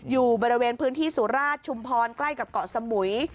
อยู่บริเวณพื้นที่สุราชชุมพรใกล้กับเกาะสมุย